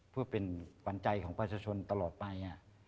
เพื่อเป็นขวัญใจของประชาชนตลอดไป